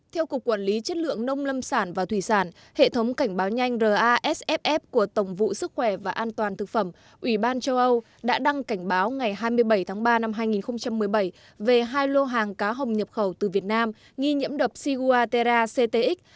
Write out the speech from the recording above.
theo cục quản lý chất lượng nông lâm sản và thủy sản hệ thống cảnh báo nhanh rasf của tổng vụ sức khỏe và an toàn thực phẩm ủy ban châu âu đã đăng cảnh báo ngày hai mươi bảy tháng ba năm hai nghìn một mươi bảy về hai lô hàng cá hồng nhập khẩu từ việt nam nghi nhiễm độc siguatera ctx